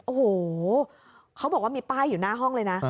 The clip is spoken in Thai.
โอ้โหเขาบอกว่ามีป้ายอยู่หน้าห้องเลยนะ